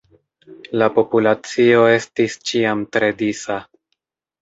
La populacio estis ĉiam tre disa.